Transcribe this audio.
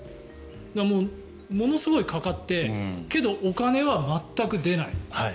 ものすごいかかってけど、お金は全く出ない。